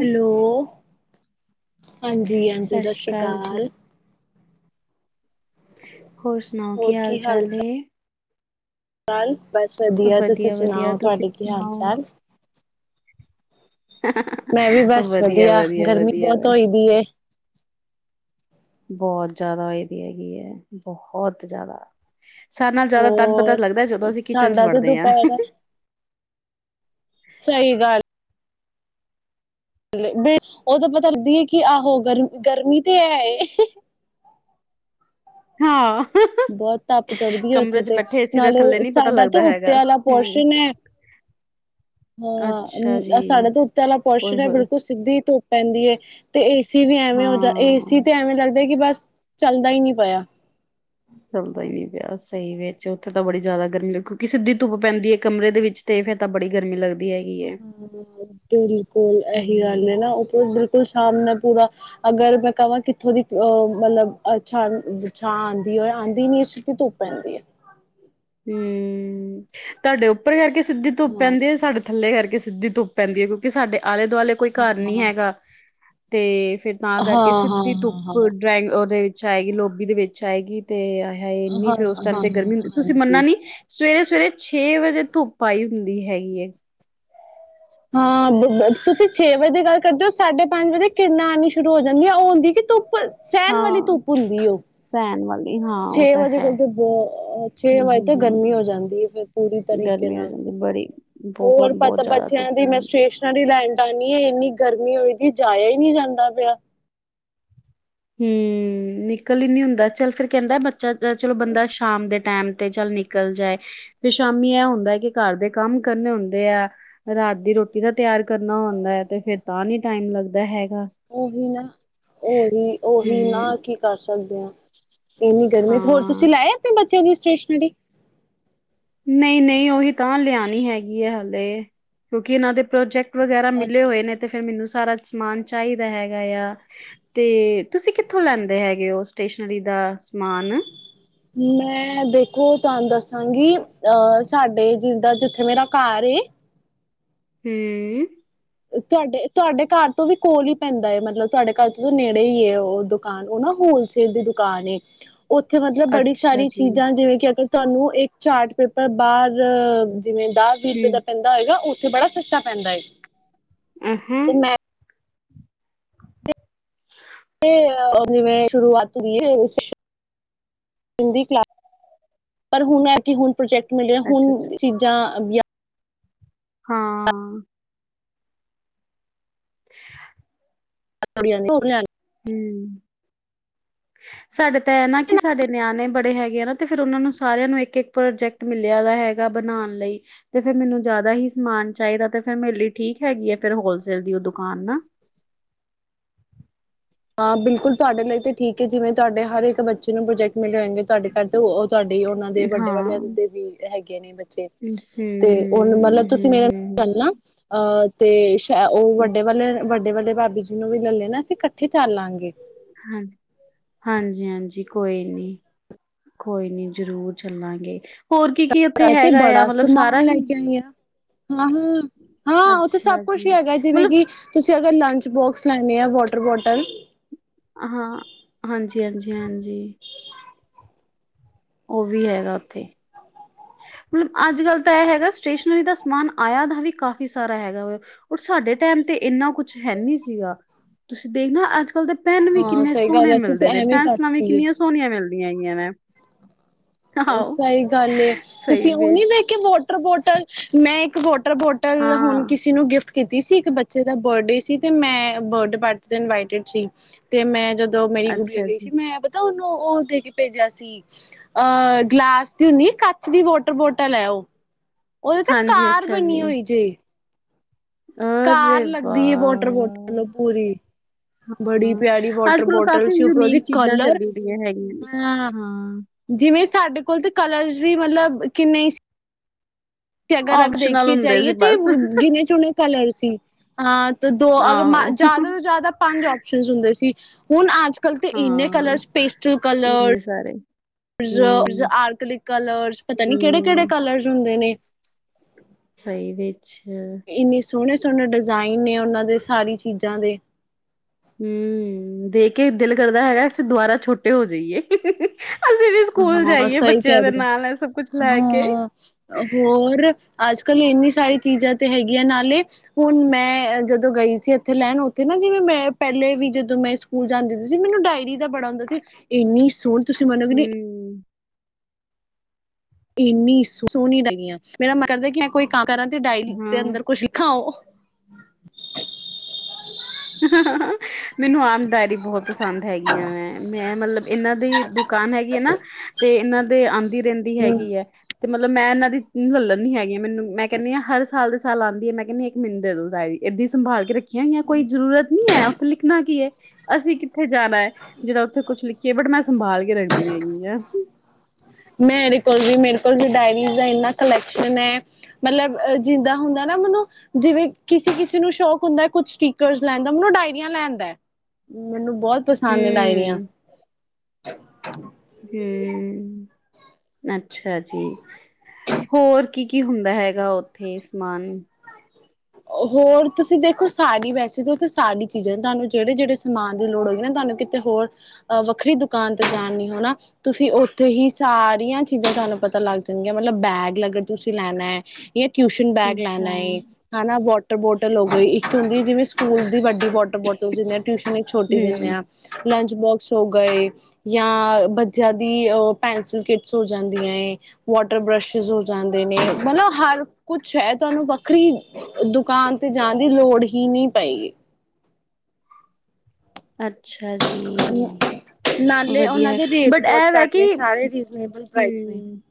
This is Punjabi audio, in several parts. [inaudible] ਹੈਲੋ। ਹਾਂਜੀ, ਹਾਂਜੀ। ਸਤਿ ਸ਼੍ਰੀ ਅਕਾਲ ਜੀ। ਸ਼ਸ਼ੀਕਾਲ। ਹੋਰ ਸੁਣਾਓ? ਕੀ ਹਾਲ ਚਾਲ ਏ? ਚਾਲ ਬਸ ਵਧੀਆ। ਤੁਸੀਂ ਵਧੀਆ, ਸੁਣਾਓ, ਤੁਸੀਂ ਤੁਆਡੇ ਕੀ ਹਾਲ ਸੁਣਾਓ? ਚਾਲ? [unintelligible] ਮੈਂ ਵੀ ਬਸ ਵਧੀਆ, ਵਧੀਆ, ਗਰਮੀ ਵਧੀਆ ਬਹੁਤ ਵੇ ਹੋਈ ਦੀ ਏ ਬੋਤ। ਜਾਦਾ ਹੋਏ ਦੀ ਹੈਗੀ ਹੈ। ਬਹੋਤ ਜਾਦਾ। ਸਰ ਨਾਲ ਜਾਦਾ ਤਦ ਪਤਾ ਹੋਰ ਲੱਗਦਾ ਜਦੋ ਅਸੀਂ ਕਿਚਨ ਚ ਸਾਡਾ ਤੇ ਵੜਦੇ ਹਾਂ। ਦੁਪਹਿਰ ਸਹੀ ਗੱਲ ਏ, ਓ ਤਾ ਪਤਾ ਲੱਗਦੀ ਐ ਕਿ ਆਹੋ ਗਰਮੀ, ਗਰਮੀ ਤੇ ਹੈ ਏ। ਹਾਂ, ਬੋਤ ਤੱਪ ਚੜ੍ਹਦੀ ਹੈ ਕਮਰੇ ਉੱਥੇ ਚ ਤੇ। ਬੈਠੇ ਏਸੀ ਦੇ ਨਾਲੇ ਥੱਲੇ ਨੀ ਪਤਾ ਸਾਡਾ ਤੇ ਲੱਗਦਾ ਉੱਤੇ ਹੈਗਾ। ਵਾਲਾ ਹੂੰ, ਪੋਰਸ਼ਨ ਹੈ। ਅੱਛਾ ਹਾਂ, ਸਾਡਾ ਜੀ, ਤੇ ਉੱਤੇ ਆਲਾ ਓਏ ਪੋਰਸ਼ਨ ਐ ਹੋਏ ਬਿਲਕੁਲ ਸਿੱਧੀ ਧੁਪ ਪੈਂਦੀ ਏ, ਤੇ ਏਸੀ ਸੀ ਵੀ ਐਵੇ ਹੋਜਾ, ਏ ਸੀ ਹਾਂ। ਤੇ ਐਵੇਂ ਲੱਗਦਾ ਕਿ ਬਸ ਚੱਲਦਾ ਹੀ ਨਈ ਪਯਾ ਚੱਲਦਾ ਹੀ ਨਹੀ ਪਿਆ ਸਹੀ ਵਿੱਚ, ਓਥੇ ਤਾਂ ਬੜੀ ਜਾਦਾ ਗਰਮੀ ਲਗੁਗੀ ਸਿੱਧੀ ਧੁੱਪ ਪੈਂਦੀ ਹੈ ਕਮਰੇ ਦੇ ਵਿੱਚ ਤੇ ਫੇਰ ਤਾਂ ਬੜੀ ਗਰਮੀ ਲੱਗਦੀ ਹੈਗੀ ਹੈ। ਹਾਂ, ਬਿਲਕੁਲ ਏਹੀ ਹੂੰ, ਗੱਲ ਏ ਨਾ ਓਪਰ ਬਿਲਕੁਲ ਸ਼ਾਮ ਨਾਲ ਪੂਰਾ, ਅਗਰ ਮੈਂ ਕਵਾਂ ਕਿੱਥੋਂ ਦੀ ਅਹ ਮਲਬ ਛਾ, ਛਾਂ ਆਂਦੀ ਏ, ਆਂਦੀ ਨੀ ਸੀਧੀ ਧੁੱਪ ਪੈਂਦੀ ਐ। ਹੂੰ, ਤਾਡੇ ਉੱਪਰ ਸਿੱਧੀ ਧੁੱਪ ਹਾਂ ਪੈਂਦੀ ਆ, ਸਾਡੇ ਥੱਲੇ ਕਰਕੇ ਸੀਧੀ ਧੁੱਧ ਪੈਂਦੀ ਐ, ਕੇਉਂਕਿ ਸਾਡੇ ਆਲੇ-ਦੁਆਲੇ ਕੋਈ ਘਰ ਨਹੀ ਹਾਂ ਹੈਗਾ ਤੇ ਫਿਰ ਤਾਂ ਕਰਕੇ ਹਾਂ ਹਾਂ ਸਿੱਧੀ ਹਾਂ ਧੁੱਪ ਹਾਂ ਡਰਾਇੰਗ, ਓਦੇ ਵਿੱਚ ਆਏਗੀ ਲੋਬੀ ਦੇ ਵਿੱਚ ਚ ਆਏਗੀ ਤੇ ਆਏ ਹੈ ਐਨੀ ਹਾਂ ਫੇਰ ਉਸ ਟਾਈਮ ਹਾਂ ਹਾਂ ਤੇ ਗਰਮੀ ਤੁਸੀਂ ਹਾਂਜੀ ਮੰਨਨਾ ਨੀ ਸਵੇਰੇ, ਸਵੇਰੇ ਛੇ ਵਜੇ ਧੁੱਪ ਆਈ ਹੁੰਦੀ ਹੈਗੀ ਏ। ਹਾਂ ਤੁਸੀਂ ਛੇ ਵਜੇ ਦੀ ਗੱਲ ਕਰਦੇ ਓ, ਸਾਢੇ ਪੰਜ ਵਜੇ ਕਿਰਣਾ ਆਣੀ ਸ਼ੁਰੂ ਹੋ ਜਾਂਦੀਆਂ ਓਹ ਹੁੰਦੀ ਕਿ ਧੂਪ ਸੈਣ ਵਾਲੀ ਹਾਂ ਧੁੱਪ ਹੁੰਦੀ ਏ ਓਹ। ਸਹਿਣ ਵਾਲੀ ਹਾਂ ਛੇ ਉਹ ਤਾਂ ਵਜੇ ਹੈ ਕੋਲ ਤੇ ਬੋਤ ਲ, ਛੇ ਹੂੰ ਵਜੇ ਹੂੰ ਤੋਂ ਹੂੰ ਗਰਮੀ ਹੋ ਜਾਂਦੀ ਐ ਫੇਰ ਪੂਰੀ ਤਰੀਕੇ ਗਰਮੀ ਹੋ ਨਾਲ। ਜਾਂਦੀ ਬੜੀ ਬਹੁਤ ਹੋਰ ਪਤਾ ਬਹੁਤ ਜ਼ਿਆਦਾ ਬੱਚੇਆਂ ਧੁੱਪ ਦੀ ਹੋ ਮੈਂ ਜਾਂਦੀ ਸਟੇਸ਼ਨਰੀ ਲੈਣ ਜਾਨੀ ਏ, ਏਨੀ ਗਰਮੀ ਹੋਈਦੀ ਜਾਇਆ ਹੀ ਨਹੀਂ ਜਾਂਦਾ ਪਿਆ ਹੂੰ, ਨਿਕਲ ਹੀ ਨੀ ਹੁੰਦਾ ਚੱਲ ਫੇਰ ਕੈਂਦਾ ਬੱਚਾ ਚਲੋ ਬੰਦਾ ਸ਼ਾਮ ਦੇ ਟੈਮ ਤੇ ਚੱਲ ਨਿਕਲ ਜਾਏ ਫਿਰ ਸ਼ਾਮੀ ਇਹ ਹੁੰਦਾ ਕਿ ਘਰ ਦੇ ਕੰਮ ਕਰਨੇ ਹੁੰਦੇ ਆ ਰਾਤ ਦੀ ਰੋਟੀ ਦਾ ਤਿਯਾਰ ਕਰਨਾ ਹੋਂਦਾ ਹੈ ਤੇ ਫੇਰ ਤਾਂ ਨੀ ਟਾਈਮ ਲੱਗਦਾ ਦਾ ਹੈਗ ਓਹੀ ਨਾ, ਓਹੀ ਓਹੀ ਨਾ ਹੂੰ ਕੀ ਕਰ ਸਕਦੇ ਦੇ ਆ। ਇੰਨੀ ਗਰਮੀ ਤੇ, ਹੋਰ ਤੁਸੀਂ ਹਾਂ ਲੈ ਆਏ ਆਪਣੇ ਬੱਚੇਆਂ ਦੀ ਸਟੇਸ਼ਨਰੀ। ਨਹੀ, ਨਹੀਂ ਓਹੀ ਤਾਂ ਲਿਆਣੀ ਹੈਗੀ ਹੈ ਹਾਲੇ ਕੇਉਂਕਿ ਏਨਾਂ ਦੇ ਪ੍ਰੋਜੈਕਟ ਵਗੈਰਾ ਮਿਲੇ ਅੱਛਾ ਹੋਏ ਨੇ ਤੇ ਫਿਰ ਮੈਨੂੰ ਸਾਰਾ ਸਮਾਨ ਚਾਹੀਦਾ ਹੈਗਾ ਆ, ਤੇ ਤੁਸੀਂ ਕਿੱਥੋਂ ਲੈਂਦੇ ਹੈਗੇ ਹੋ ਸਟੇਸ਼ਨਰੀ ਦਾ ਸਮਾਨ ਮੈਂ ਦੇਖੋ ਤਾਨੂੰ ਦੱਸਾਂਗੀ ਅਹ, ਸਾਡੇ ਜਿਦਾ ਜਿੱਥੇ ਮੇਰਾ ਘਰ ਏ ਹੂੰ ਤੁਆਡੇ, ਤੁਆਡੇ ਘਰ ਤੋਂ ਵੀ ਕੋਲ ਹੀ ਪੈਂਦਾ ਏ ਮਤਲਬ ਤੁਆਡੇ ਘਰ ਤੋ ਨੇੜੇ ਹੀ ਏ ਓਹ ਦੁਕਾਨ, ਓ ਨਾ ਹੋਲਸੇਲ ਦੀ ਦੁਕਾਨ ਏ। ਓੱਥੇ ਮਤਲਬ ਬੜੀ ਅੱਛਾ ਸਾਰੀ ਜੀ ਚੀਜਾ ਜਿਵੇਂ ਕਿ ਅਗਰ ਤੁਆਨੂੰ ਇੱਕ ਚਾਰਟ ਪੇਪਰ ਬਾਰ ਜਿਵੇਂ ਦਾਹ-ਵੀਹ ਹੂੰ ਰੁਪਏ ਦਾ ਪੈਂਦਾ ਹੋਏਗਾ ਉ ਥੇ ਬੜਾ ਸਸਤਾ ਪੈਂਦਾਂ ਏ। ਅਹ ਹ [inaudible] ਤੇ ਜਿਵੇਂ ਸ਼ੁਰੂਆਤ ਹੁਂਦੀ [unintelligible] ਪਰ ਹੁਨ ਏ ਕਿ ਹੁਣ ਪ੍ਰੋਜੈਕਟ ਮਿਲਿਆ ਅੱਛਾ ਅੱਛਾ ਹੁਨ ਚੀਜਾ ਅਗਿਆ ਹਾਂ [inaudible] [unintelligible] ਹੂੰ, ਸਾਡੇ ਤਾ ਏਹ ਨਾ ਕਿ ਸਾਡੇ ਨਿਆਣੇ ਬੜੇ ਹੈਗੇ ਆ ਨਾ, ਤੇ ਫੇਰ ਉਨਾ ਨੂੰ ਸਾਰੇਆਂ ਨੂੰ ਇੱਕ ਇੱਕ ਪ੍ਰੋਜੈਕਟ ਮਿਲਿਆ ਦਾ ਹੈਗਾ ਬਨਾਨ ਲਈ, ਤੇ ਫੇਰ ਮੈਨੂੰ ਜਾਦਾ ਹੀ ਸਮਾਨ ਚਾਈਦਾ ਤੇ ਫਿਰ ਮੇਰੇ ਲਈ ਠੀਕ ਹੈਗੀ ਆ ਫਿਰ ਹੋਲਸੇਲ ਦੀ ਉ ਦੁਕਾਨ ਨਾ ਹਾਂ, ਬਿਲਕੁਲ ਤੁਆਡੇ ਲਈ ਤੇ ਠੀਕ ਹੈ ਜਿਵੇਂ ਤੁਆਡੇ ਹਰ ਇੱਕ ਬੱਚੇ ਨੂੰ ਪ੍ਰੋਜੈਕਟ ਮਿਲੇ ਹੋਗੇ ਤੁਆਡੇ ਘਰ ਤੇ ਤੁਆਡੀ ਓਨਾਂ ਦੇ ਵੱਡੇ ਹਾਂ ਵਾਲਿਆਂ ਦੇ ਵੀ ਹੈਗੇ ਨੇ ਬੱਚੇ, ਹੂੰ ਤੇ ਓਨਾ ਨਾਲ ਹੂੰ ਤੁਸੀਂ, [unintelligible] ਹੂੰ ਮੇਰੇ ਗੱਲ ਨਾ ਹੂੰ ਅਹ ਤੇਸ਼ ਐ ਓ, ਵੱਡੇ ਵਾਲੇ-ਵੱਡੇ ਵਾਲੇ ਭਾਬੀ ਜੀ ਨੂੰ ਵੀ ਲਲੇ ਨਾ, ਅਸੀਂ ਕੱਠ ਹਾਂਜੀ, ਹਾਂਜੀ-ਹਾਂਜੀ ਜੀ ਕੋਈ ਨੀ, ਕੋਈ ਨੀ ਜਰੂਰ ਚੱਲਾਂਗੇ ਹੋਰ ਕੀ-ਕੀ ਉੱਥੇ ਮੈਂ ਤੇ ਹੈਗਾ ਆ? ਬੜਾ ਮਤਲਬ ਸਮਾਨ ਸਾਰਾ ਲੈ ਹੀ? ਕੇ ਆਈ ਹਾਂ ਹਾਂ, ਹਮ੍ਹ ਹਾਂ ਓੱਥੇ ਸਭ ਅੱਛਾ ਕੁਛ ਈ ਜੀ ਹੈਗਾ ਜਿਵੇਂ ਮਤਲਬ ਕਿ, ਤੁਸੀਂ ਜੇ ਅਗਰ ਲੰਚ ਬੋਕਸ ਲੈਣੇ ਆ, ਵੋਟਰ ਬੋਟਲ ਹਾਂ, ਹਾਂਜੀ-ਹਾਂਜੀ-ਹਾਂਜੀ ਓ ਵੀ ਹੈਗਾ ਉੱਥੇ। ਮਲਬ ਅੱਜ ਕੱਲ੍ਹ ਤਾਂ ਐ ਹੈਗਾ ਸਟੇਸ਼ਨਰੀ ਦਾ ਸਮਾਨ ਆਇਆ ਦਾ ਵੀ ਕਾਫ਼ੀ ਸਾਰਾ ਹੈਗਾ ਵੈ, ਔਰ ਸਾਡੇ ਟੈਮ ਤੇ ਏਂਨਾ ਕੁਛ ਹੈ ਨੀਂ ਸੀਗਾ। ਤੁਸੀਂ ਦੇਖਣਾ ਅੱਜ ਦੇ ਪੈਨ ਵੀ ਹਾਂ ਕਿੰਨੇ ਸਹੀ ਸੋਣੇ ਗੱਲ ਅਸੀਂ ਤੇ ਮਿਲਦੇ ਨੇ, ਐਵੇਂ ਕੱਟ ਪੈਨਸਿਲਾਂ ਵੀ ਦੀਏ ਕਿੰਨੀਆਂ ਸੋਣੀਆਂ ਮਿਲਦੀਆਂ ਹੈਗੀਆਂ ਨੇ ਓ ਆਹੋ ਸਈ ਗੱਲ ਲੇ, ਸਹੀ ਤੁਸੀਂ ਉ ਨੀ ਵੇਖ ਵਿੱਚ ਕੇ ਵੋਟ ਟਰ ਬੋਟਲ, ਮੈ ਇੱਕ ਵੋ ਬੋਟਲ, ਹੁਣ ਹਾਂ ਕਿਸੇ ਨੂੰ ਗਿਫਟ ਕੀਤੀ ਸੀ ਇੱਕ ਬੱਚੇ ਦਾ ਬਡੇ ਸੀ ਤੇ ਮੈ ਬਡੇ ਪਾਰਟੀ ਤੇ ਇਨਵਾਈਟਡ ਸੀ, ਤੇ ਮੈ ਜਦ ਦੋ ਮੇਰੀ ਗੁੜੀਆਂ ਅੱਛਾ ਗਈ ਸੀ ਜੀ ਮੈ ਪਤਾ ਓਨੂੰ ਓਹੋ ਓਤੇ ਪੇਜੇਆ ਸੀ ਅਹ ਗਿਲਾਸ ਦੀ ਹੁੰਦੀ ਕੱਚ ਦੀ ਵਾਟਰ ਬੋਟਲ ਐ ਓਹ। ਓ ਅਦੇ ਤੇ ਹਾਂਜੀ ਕਾਰ ਅੱਛਾ ਬਨੀ ਜੀ ਹੋਈ ਜੇ ਕਾਰ ਅਰੇ ਲੱਗਦੀ ਐ ਵੋਟਰ ਵਾਹ ਬੋਟਲ ਪੂਰੀ, ਬੜੀ ਹਾਂ ਪਿਯਾਰੀ ਅੱਜ ਵੋਟਰ ਕੱਲ ਬੋਟਲ ਕਾਫੀ ਸੀ, ਉਪਰੋ ਦੀ ਯੂਨੀਕ ਚੀਜ਼ਾਂ ਕਲਰ, ਚੱਲੀ ਦੀਆਂ ਹੈਗੀਆਂ ਨੇ ਹਾਂ ਜਿਵੇ ਸਾਡੇ ਕੋਲ ਤੇ ਕਲਰ ਵੀ ਮਤਲਬ ਕਿੰਨੇ ਸੀ। ਅਗਰ ਰਗ ਓਪਸ਼ਨਲ ਦੇਖੀ ਹੁੰਦੇ ਜਾਈਏ ਸੀ ਤੇ ਬਸ ਗਿਨੇ ਚੁਨੇ ਕਲਰ ਸੀ, ਹਾਂ ਦੋ ਅਗਰ ਮ ਆਹੋ ਜਾਦਾ ਤੋ ਜਾਦਾ ਪੰਜ ਓਪਸ਼ਨ ਹੁੰਦੇ ਸੀ। ਹੁਣ ਅਜ ਅਕਲ ਤਾਂ ਇੰਨੇ ਹਾਂ ਕਲਰਸ ਪੇਸਟਲ ਕਲਰ ਇੰਨੇ ਸਾਰੇ ਪ੍ਰੀਜਰਵਸ, ਆਰਕਲਿਕ ਕਲਰਸ, ਪਤਾ ਨੀ ਕੇੜੇ ਕੇੜੇ ਕਲਰਸ ਹੁੰਦੇ ਨੇ। ਅੱਛਾ ਸੋਹਣੇ-ਸੋਹਣੇ ਡਿਜ਼ਾਇਨ ਨੇ ਉਹਨਾਂ ਦੇ ਸਾਰੀ ਚੀਜਾ ਦੇ। ਹੂੰ ਦੇਖ ਕੇ ਦਿਲ ਕਰਦਾ ਹੈਗਾ ਅਸੀ ਦੁਬਾਰਾ ਛੋਟੇ ਹੋ ਜਾਈਏ। ਅਸੀਂ ਵੀ ਸਕੂਲ ਹਾਂ ਜਾਈਏ ਸਹੀ ਬੱਚਿਆਂ ਕਹਿ ਦੇ ਰਹੇ ਨਾਲ ਇਹ ਸਭ ਕੁਛ ਹੋ ਲੈ ਕੇ। ਹਾਂ ਹੋਰ ਅੱਜ ਕੱਲ੍ਹ ਇੰਨੀ ਸਾਰੀ ਚੀਜ਼ਾਂ ਤੇ ਹੈਗੀਆਂ ਨਾਲੇ ਹੁਣ ਮੈਂ ਜਦੋਂ ਗਈ ਸੀ ਇੱਥੇ ਲੈਣ ਉੱਥੇ ਨਾ ਜਿਵੇਂ ਮੈਂ ਪਹਿਲੇ ਵੀ ਜਦੋਂ ਮੈਂ ਸਕੂਲ ਜਾਂਦੀ ਹੁੰਦੀ ਸੀ ਮੈਨੂੰ ਡਾਇਰੀ ਦਾ ਬੜਾ ਹੁੰਦਾ ਸੀ ਇੰਨੀ ਸੋਹਣੀ ਤੁਸੀਂ ਮੰਨੋਗੇ ਨੀ [unintelligible] ਇੰਨੀ ਸੋਹਣੀ ਲੱਗੀਆਂ ਮੇਰਾ ਮਨ ਕਰਦਾ ਕਿ ਕੋਈ ਕੰਮ ਕਰਾਂ ਤੇ ਡਾਇਰੀ ਦੇ ਹਾਂ। ਅੰਦਰ ਕੁਛ ਲਿਖਾ ਉਹ [unintelligible] ਮੈਨੂੰ ਆਮ ਡਾਇਰੀ ਬਹੁਤ ਪਸੰਦ ਹੈਗੀ ਆ ਵੈਂ ਮੈਂ ਮਤਲਬ ਇਹਨਾਂ ਦੀ ਦੁਕਾਨ ਹੈਗੀ ਆ ਨਾ ਤੇ ਇਹਨਾਂ ਦੇ ਆਦੀ ਰਹਿੰਦੀ ਹੈਗੀ ਹੈ ਤੇ ਮਤਲਬ ਮੈਂ ਇਹਨਾਂ ਲੱਲਣ ਨੀ ਹੈਗੀਆਂ ਮੈਨੂੰ ਮੈਂ ਕਹਿੰਦੀ ਹਾਂ ਹਰ ਸਾਲ ਸਾਲ ਆਦੀ ਹੈ ਮੈਂ ਕਹਿੰਦੀ ਹ ਇੱਕ ਮੈਨੂੰ ਦੇ ਦਵੋ ਇੱਦਾਂ ਸੰਭਾਲ ਕੇ ਰੱਖੀਆਂ ਹੋਈਆਂ। ਕੋਈ ਜ਼ਰੂਰਤ ਨਹੀਂ ਹੈ। ਲਿਖਣਾ ਕੀ ਹੈ ਅਸੀਂ ਕਿੱਥੇ ਜਾਣਾ ਐ। ਜਿਹੜਾ ਉੱਥੇ ਕੁਛ ਲਿਖਿਆ ਬਟ ਮੈਂ ਸੰਭਾਲ ਕੇ ਰੱਖਦੀ ਹੈਗੀ ਆ। ਮੇਰੇ ਕੋਲ ਵੀ ਮੇਰੇ ਕੋਲ ਵੀ ਡਾਇਰੀਆ ਦਾ ਇੰਨਾ ਕਲੈਕਸ਼ਨ ਹੈ ਮਤਲਬ ਜਿਦਾ ਹੁੰਦਾ ਨਾ ਮਨ ਜਿਵੇ ਕਿਸੇ ਕਿਸੇ ਨੂੰ ਸ਼ੋਕ ਹੁੰਦਾ ਕੁਛ ਸਟੀਕਰ ਲੈਣ ਦਾ ਮੈਨੂੰ ਡਾਇਰੀਆਂ ਲੈਦਾ ਮੈਨੂੰ ਬਹੁਤ ਪਸੰਦ ਨੇ ਡਾਇਰੀਆਂ ਹਮ [unintelligible] ਹੂੰ ਅੱਛਾ ਜੀ ਹੋਰ ਕੀ ਕੀ ਹੁੰਦਾ ਹੈਗਾ ਉੱਥੇ ਸਮਾਨ ਹੋਰ ਤੁਸੀਂ ਦੇਖੋ ਸਾਰੀ ਵੈਸੇ ਤਾਂ ਉਥੇ ਸਾਰੀ ਚੀਜ਼ਾਂ ਤੁਹਾਨੂੰ ਜਿਹੜੇ ਜਿਹੜੇ ਸਮਾਨ ਦੀ ਲੋੜ ਹੋਗੀ ਨਾ ਤੁਹਾਨੂੰ ਕਿਤੇ ਹੋਰ ਵੱਖਰੀ ਦੁਕਾਨ ਤੇ ਜਾਣ ਹੋ ਨਾ ਤੁਸੀਂ ਉੱਥੇ ਹੀ ਸਾਰੀਆਂ ਚੀਜ਼ਾਂ ਤੁਹਾਨੂੰ ਪਤਾ ਲੱਗ ਜਾਂਗੀਆਂ ਮਤਲਬ ਬੈਗ ਲਗ ਤੁਸੀਂ ਲੈਣਾ ਹੈ। ਜਾਂ ਟਿਊਸ਼ਨ ਬੈਗ ਲੈਣਾ ਅੱਛਾ ਏ ਵਾਟਰ ਬੋਟਲ ਹੋ ਗਈ ਇੱਕ ਹੁੰਦੀ ਜਿਵੇਂ ਸਕੂਲ ਦੀ ਵੱਡੀ ਵਾਟਰ ਬੋਟਲ ਦਿੰਦੇ ਟਿਊਸ਼ਨ ਛੋਟੀ ਦਿੰਦੇ ਹਮ ਆ ਲੰਚ ਬੋਕਸ ਹੋ ਗਏ ਜਾਂ ਬਚਿਆ ਦੀ ਪੈਨਸਿਲ ਕਿਟਸ ਹੋ ਜਾਂਦੀਆਂ ਏ ਵਾਟਰ ਬ੍ਰਸ਼ਿਸ ਹੋ ਜਾਂਦੇ ਨੇ ਮਤਲਬ ਹਰ ਕੁਛ ਹੈ ਤੁਹਾਨੂੰ ਵੱਖਰੀ ਦੁਕਾਨ ਤੇ ਜਾਣ ਦੀ ਲੋੜ ਹੀ ਨਹੀਂ‌ ਪਏਗੀ। ਅੱਛਾ ਜੀ ਨਾਲੇ ਵਧੀਆ ਉਹਨਾਂ ਹੈ ਦੇ ਰੇਟ ਬਟ ਬਹੁਤ ਇਹ ਵੈ ਘੱਟ ਕਿ ਨੇ ਸਾਰੇ ਰੀਜ਼ਨੇਬਲ ਪ੍ਰਾਈਸ ਨੇ। ਹੂੰ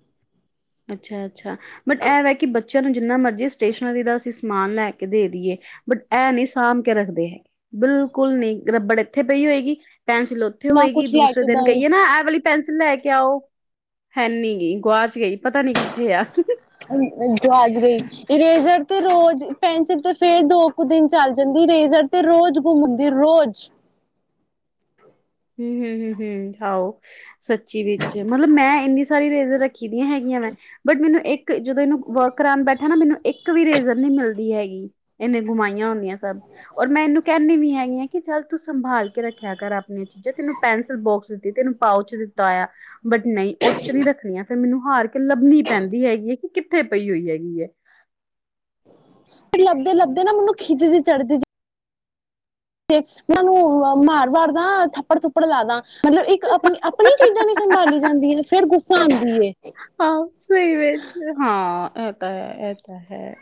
ਅੱਛਾ ਅੱਛਾ ਬਟ ਇਹ ਵੈ ਕਿ ਬੱਚਿਆਂ ਨੂੰ ਜਿੰਨਾ ਮਰਜ਼ੀ ਸਟੇਸ਼ਨਰੀ ਦਾ ਅਸੀਂ ਸਮਾਨ ਲੈ ਕੇ ਦੇ ਦੇਈਏ ਬਟ ਇਹ ਨਹੀਂ ਸਾਂਭ ਕੇ ਰੱਖਦੇ ਹੈਗੇ ਬਿਲਕੁਲ ਨਹੀਂ ਰੱਬੜ ਇੱਥੇ ਪਈ ਹੋਏਗੀ ਪੈਨਸਿਲ ਉੱਥੇ ਨਾ ਹੋਏਗੀ ਕੁਛ ਲੈ ਦੂਸਰੇ ਕੇ ਦਿਨ ਦਈ ਕਹੀਏ ਨਾ ਇਹ ਵਾਲੀ ਪੈਨਸਿਲ ਲੈ ਕੇ ਆਓ ਹੈਨੀ ਗਈ ਗੁਆ ਚ ਗਈ। ਪਤਾ ਨੀ ਕਿੱਥੇ ਆ ਗਵਾਚ ਗਈ ਇਰੇਜ਼ਰ ਤੇ ਰੋਜ਼ ਪੈਨਸਿਲ ਤੇ ਫੇਰ ਦੋ ਕੁ ਦਿਨ ਚੱਲ ਜਾਂਦੀ ਰੇਜ਼ਰ ਤੇ ਰੋਜ਼ ਘੁੰਮ ਹੁੰਦੀ ਰੋਜ਼ ਹੂੰ ਹੂੰ ਹੂੰ ਹੂੰ ਆਓ ਸੱਚੀ ਵੀ ਅੱਛਾ ਮਤਲਬ ਮੈਂ ਇੰਨੀ ਸਾਰੀ ਰੇਜ਼ਰ ਰੱਖੀ ਦੀਆਂ ਹੈਗੀਆਂ ਮੈਂ ਬਟ ਮੈਨੂੰ ਇੱਕ ਜਦੋਂ ਇਹਨੂੰ ਵਰਕ ਕਰਾਉਣ ਬੈਠਾ ਨਾ ਮੈਨੂੰ ਇੱਕ ਵੀ ਰੇਜ਼ਰ ਨੀ ਮਿਲਦੀ ਹੈਗੀ ਇਹਨੇ ਗੁਮਾਈਆਂ ਹੁੰਦੀਆਂ। ਸਭ ਔਰ ਮੈਂ ਇਹਨੂੰ ਕਹਿੰਦੀ ਵੀ ਹੈਗੀ ਆ ਕਿ ਚੱਲ ਤੂੰ ਸੰਭਾਲ ਕੇ ਰੱਖਿਆ ਕਰ ਆਪ ਜੇ ਤੈਨੂੰ ਪੈਨਸਿਲ ਬੋਕਸ ਦਿੱਤੀ ਤੈਨੂੰ ਪਾਊਚ ਦਿੱਤਾ ਹੋਇਆ ਬੱਚੇ ਨਹੀਂ ਉਹੱ ਚ ਨੀ ਰੱਖਣੀਆਂ ਫੇਰ ਮੈਨੂੰ ਹਾਰ ਕੇ ਲੱਭਣੀ ਪੈਂਦੀ ਹੈਗੀ ਹੈ ਕਿ ਕਿੱਥੇ ਪਈ ਹੋਈ ਹੈ। ਕਿ ਹੈ ਲੱਭਦੇ ਲੱਭਦੇ ਨਾ ਮੈਨੂੰ ਖਿੱਚ ਜ ਚੜਦੀ ਜ ਤੇ ਮੈਨੂੰ ਮਾਰ ਮਾਰਦਾ ਥੱਪੜ ਥੁੱਪੜ ਲਾ ਦ ਮਤਲਬ ਇੱਕ ਆਪਣੀ ਆਪਣੀ ਚੀਜ਼ਾਂ ਦੀ ਸੰਭਾਲੀ ਜਾਂਦੀ ਹੈ ਫੇਿਰ ਗੁੱਸਾ ਆਉਂਦੀ ਹੈ ਹਾਂ ਸਹੀ ਵਿੱਚ ਹਾਂ ਇਹ ਤਾਂ ਹੈ ਇਹ ਤਾਂ ਹੈ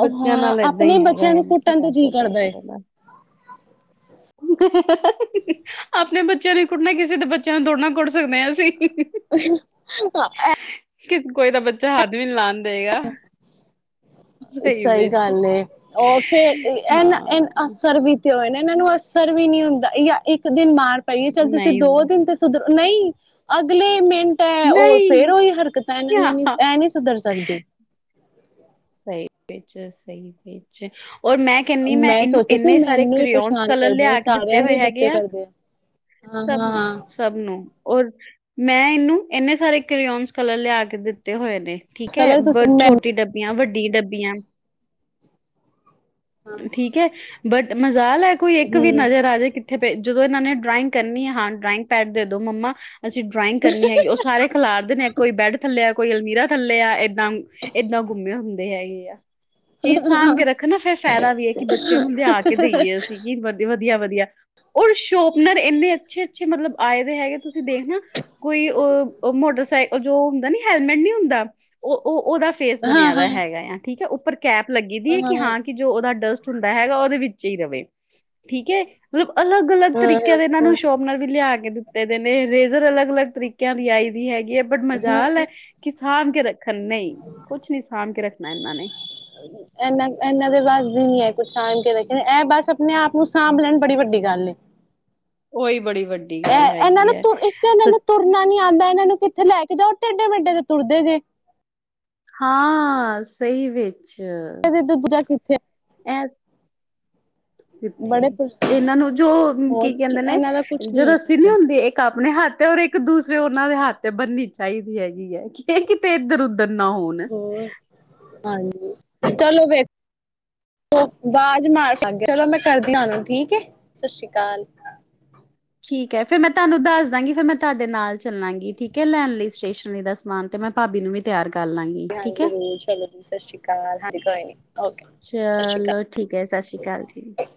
ਬੱਚਿਆਂ ਹਾਂ ਨਾਲ ਏਦਾਂ ਆਪਣੇ ਹੀ ਹੈਗਾ ਬੱਚਿਆਂ ਨੂੰ ਹੁਣ ਕੀ ਕੁੱਟਣ ਤੇ ਕਹਿ ਜੀਅ ਸਕਦਾ ਕਰਦਾ ਹੈਗਾ ਏ ਉਹ ਦਾ ਆਪਣੇ ਬੱਚਿਆਂ ਨੂੰ ਕੁੱਟਣਾ ਕਿਸੇ ਦੇ ਬੱਚਿਆਂ ਨੂੰ ਦੋੜਨਾ ਕੁੱਟ ਸਕਦੇ ਹਾਂ ਅਸੀਂ [inaudible] ਕਿਸੇ ਕੋਏ ਦਾ ਬੱਚਾ ਹੱਦ ਵੀ ਨੀ ਲਾਦਾ ਸਹੀ ਗੱਲ ਉਹ ਫੇਰ ਇਹਨਾ ਹਾਂ ਇਹ ਅਸਰ ਵੀ ਤੇ ਹੋਏ ਨਾ ਇਹਨਾਂ ਨੂੰ ਅਸਰ ਵੀ ਨਹੀਂੀ ਹੁੰਦਾ ਜਾਂ ਇੱਕ ਦਿਨ ਮਾਰ ਪਈਏ ਚੱਲ ਤੁਸੀਂ ਨਹੀਂ ਦੋ ਹੁੰਦਾ ਦਿਨ ਤੇ ਸੁਧ ਨਹੀਂ ਅਗਲੇ ਮੇ ਉਹ ਨਹੀਂ ਫੇਰ ਉਹੀ ਹਰਕਤ ਇਹਨਾਂ ਨੇ ਇਹ ਹਾਂ ਨਹੀਂੀ ਸੁਧਰ ਸਕਦੀ ਸਹੀ ਵਿੱਚ ਸਹੀ ਵਿੱਚ ਔਰ ਮੈਂ ਕਹਿੰਦੀ ਮੈਂ ਇਹਨੂੰ ਸੋਚੀ ਸੀ ਇੰਨੇ ਸਾਰੇ ਮੈਨੂੰ ਹੀ ਕਰਿਓਨ ਪਰੇਸ਼ਾਨ ਕਲਰ ਕਰਦੇ ਨੇ ਲਿਆ ਕੇ ਦਿੱਤੇ ਸਾਰਿਆਂ ਹੋਏ ਦੇ ਹੈਗੇ ਬੱਚੇ ਆ ਕਰਦੇ ਹਾਂ ਸਭ ਹਾਂ ਨੂੰ ਹਾਂ ਸਭ ਨੂੰ ਔਰ ਮੈਂ ਇਹਨੂੰ ਇੰਨੇ ਸਾਰੇ ਕਿਓਨਸ ਕਲਰ ਲਿਆ ਕੇ ਦਿੱਤੇ ਹੋਏ ਨੇ ਠੀਕ ਹੈ ਕਲਰ ਬ ਤੁਸੀਂ ਮੈਂ ਛੋਟੀ ਡੱਬੀ ਵੱਡੀ ਦੱਬੀਆਂ ਹਾਂ ਠੀਕ ਹੈ ਬਟ ਮ ਜ਼ੈ ਕੋਈ ਇੱਕ ਵੀ ਹਮ ਨਜ਼ਰ ਆ ਜਾੇ ਕਿੱਥੇ ਫ ਜਦੋਂ ਇਹਨਾਂ ਨੇ ਡਰਾਇੰਗ ਕਰਨੀ ਹੈ ਹਾਂ ਡਰਾਇੰਗ ਪੈਡ ਦੇ ਦੋ ਮੰਮਾ ਅਸੀਂ ਡਰਾਇੰਗ ਕਰਨੀ ਹੈਗੀ ਉਹ ਸਾਰੇ ਖਿਲਾਰਦੇ ਨੇ ਕੋਈ ਬੈੱਡ ਥੱਲਿਆ ਕੋਈ ਅਲਮੀਰਾ ਥੱਲੇ ਆ ਇਏਦਾਂ ਏਦਾਂ ਗੁੰਮੇ ਹੁੰਦੇ ਹੈਗੇ ਆ ਜੀ ਸਾਮ ਕੇ ਰੱਖ ਨਾ ਫਿਰਰ ਫਾਇਦਾ ਵੀ ਹੈ ਕਿ ਬੱਚਿਆਂ ਨੂੰ ਲਿਆ ਕੇ ਦੇਈਏ ਅਸੀਂ ਕਿ ਵਧੀਆ ਵਧੀਆ ਵਧੀਆ ਰ ਸ਼ੋਪਨਰ ਇੰਨੇ ਅੱਛੇ ਅੱਛੇ ਮਤਲਬ ਆਏ ਦੇ ਹੈਗੇ ਤੁਸੀਂ ਦੇਖ ਨਾ ਕੋਈ ਮੋਟਰਸਾਈਕਲ ਜੋ ਹੁੰਦਾ ਨੀ ਹੈਲਮੇਟ ਨਹੀਂ ਹੁੰਦਾ ਉਹ ਉਹ ਉਹਦਾ ਫੇਸ ਹਾਂ ਬਣਿਆ ਦਾ ਹਾਂ ਹੈਗਾ ਆ ਠੀਕ ਹੈ ਉੱਪਰ ਕੈਪ ਲੱਗੀ ਦੀ ਹੈ ਕਿ ਹਾਂ ਦਾ ਡਸਟ ਹੁੰਦਾ ਹੈਗਾ ਉਹਦੇ ਵਿੱਚ ਹੀ ਰਹੇ ਠੀਕ ਹੈ ਮਤਲਬ ਅਲੱਗ ਅਲੱਗ ਤਰੀਕਿਆਂ ਦੇ ਇਹਨਾਂ ਨੂੰ ਸ਼ੋਪ ਨਾਲ ਵੀ ਲਿਆ ਦਿੱਤੇ ਦੇ ਨੇ ਰਰੇਜ਼ਰ ਅਲੱਗ ਅਲੱਗ ਤਰੀਕਿਆਂ ਦੀ ਆਈ ਦੀ ਹੈਗੀ ਬੜ ਹਾਂ ਮਜ਼ਾਲ ਹੈ ਕਿਸ ਸਭ ਕੇ ਰੱਖ ਖੰ ਨਹੀਂ ਹੀ ਕੁਛ ਨੀ ਸਾਂਭ ਕੇ ਰੱਖਣਾ ਇਹਨਾਂ ਨੇ ਇਹਨਾ ਇਹਨਾਂ ਦੇ ਬੱਸਦੀ ਨੀ ਹੈ ਕੁਛ ਸਾਂਭ ਕੇ ਕਹਿੰਦੇ ਇਹ ਬਸ ਆਪਣੇ ਆਪ ਨੂੰ ਸਾਂਭ ਲੈਣ ਬੜੀ ਵੱਡੀ ਗੱਲ ਉਹੀ ਬੜੀ ਵੱਡੀ ਗੱਲ ਇਹਨਾਂ ਹੈਗੀ ਨੂੰ ਹੈ। ਤੁਰ ਇੱਕ ਤਾਂ ਇਹਨਾਂ ਸ ਨੂੰ ਤੁਰਨਾ ਨੀ ਆਉਂਦਾ ਇਹਨਾਂ ਨੂੰ ਕਿ ਇਥੇ ਲੈ ਕੇ ਜਾਓ ਟਢੇਢੇ ਮਿੰਟੇ ਤੇ ਤੁਰਦੇ ਜੇ ਹਾਂ ਸਹੀ ਵ ਤੇ ਦੂਜਾ ਕਿੱਥੇ ਇਹ ਕਿੱਥੇ ਬੜੇ ਇਹਨਾਂ ਨੂੰ ਜੋ ਕੀ ਹੋਰ ਕਹਿੰਦੇ ਨੇ ਇਹਨਾਂ ਦਾ ਕੁਛ ਜੋ ਹੋ ਰੱਸੀ ਨੀ ਸਕਦਾ ਹੁੰਦੀ ਇੱਕ ਆਪਣੇ ਹੱਥ ਤੇ ਰ ਇੱਕ ਦੂਸਰੇ ਉਹਨਾਂ ਦੇ ਹੱਥ ਤੇ ਬਣਨੀ ਚਾਹੀਦੀ ਹੈਗੀ ਹੈ ਕਿ ਕਿਤੇ ਇੱਧਰ ਉਧਰ ਦਰ ਨਾ ਹੋਣ ਹੋਰ ਹਾਂਜੀ ਚਲੋ ਵਖ ਆਵਾਜ਼ ਮਾਰ ਸਕਦੇ ਚਲੋ ਮੈਂ ਕਰਦੀ ਹ ਤੁਾਨੂੰ ਠੀਕ ਹੈ ਸਤਿ ਸ਼੍ਰੀ ਅਕਾਲ ਠੀਕ ਹੈ ਫਿਰ ਮੈਂ ਤੁਹਾਨੂੰ ਦੱਸ ਦਾਂਗੀ ਫੇਿਰ ਮੈਂ ਤੁਹਾਡੇ ਨਾਲ ਚੱਲਾਂਗੀ ਠੀਕ ਹੈ ਲੈਣ ਲਈ ਸਟੇਸ਼ਨਰੀ ਦਾ ਸਮਾਨ ਤੇ ਮੈਂ ਭਾਬੀ ਨੂੰ ਵੀ ਤਿਆਰ ਕਰ ਲਾਂਗੀ ਹਾਂ ਠੀਕ ਹੈ ਜ਼ਰੂਰ ਚਲੋ ਜੀ ਸਤ ਸ਼੍ਰੀ ਅਕਾਲ ਹਾਂ ਕੋਈ ਨੀ ਓ ਸਤ ਸ਼੍ਰੀ ਚਲੋ ਠੀਕ ਹੈ ਸਤਿ ਸ਼੍ਰੀ ਜੀ। ਅਕਾਲ